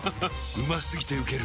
うま過ぎてウケる